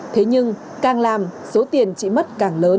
thế nhưng càng làm số tiền chị mất càng lớn